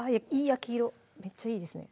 焼き色めっちゃいいですね